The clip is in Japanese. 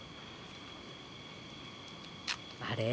あれ？